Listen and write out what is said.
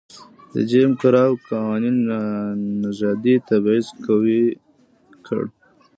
د جېم کراو قوانینو نژادي تبعیض قوي کړ.